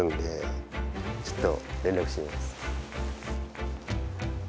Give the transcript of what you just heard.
ちょっと連絡してみます。